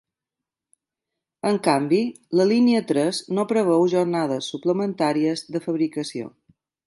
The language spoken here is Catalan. En canvi, la línia tres no preveu jornades suplementàries de fabricació.